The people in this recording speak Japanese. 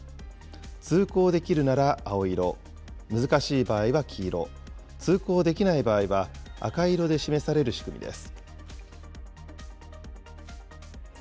通行できるなら青色、難しい場合は黄色、通行できない場合は赤色で示される仕組みです。